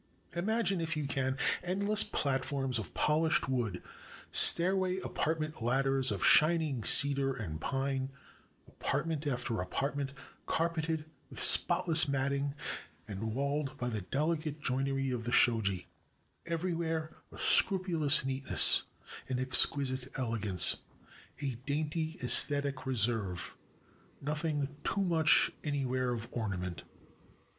Imagine, if you can, endless platforms of polished wood, stairway apartment ladders of shim'ng cedar and pine, apartment after apartment carpeted with spotless matting, and walled by the delicate joinery of the shoji — everywhere a scrupulous neatness, an exquisite elegance, a dainty aesthetic reserve; nothing too much anywhere of ornament.